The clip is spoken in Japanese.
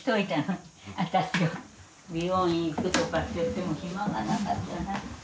美容院行くとかっていっても暇がなかったな。